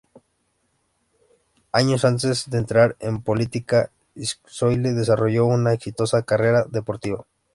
Años antes de entrar en política, Scioli desarrolló una exitosa carrera deportiva.